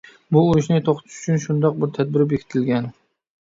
بۇ ئۇرۇشنى توختىتىش ئۈچۈن شۇنداق بىر تەدبىر بېكىتىلگەن.